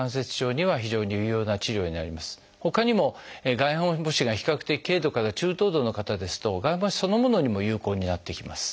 ほかにも外反母趾が比較的軽度から中等度の方ですと外反母趾そのものにも有効になってきます。